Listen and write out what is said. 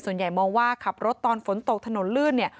ส่วนใหญ่มองว่าขับรถตอนฝนตกถนนลื่นเนี่ย